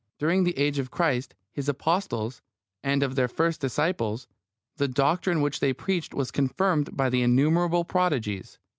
During the age of Christ, of His Apostles, and of their first disciples, the doctrine which they preached was confirmed by innumerable prodigies.